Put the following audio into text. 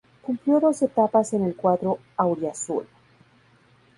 Cumplió dos etapas en el cuadro "auriazul".